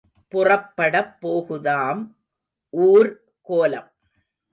புறப்படப் போகுதாம் ஊர்கோலம்.